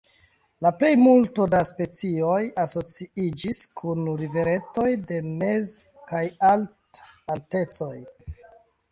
La plejmulto da specioj asociiĝis kun riveretoj de mez- kaj alt-altecoj.